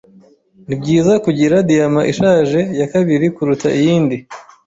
Nibyiza kugira diyama ishaje ya kabiri kuruta iyindi.